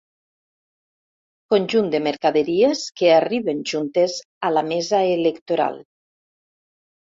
Conjunt de mercaderies que arriben juntes a la mesa electoral.